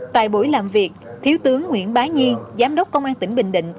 tại buổi làm việc thiếu tướng nguyễn bá nhi giám đốc công an tỉnh bình định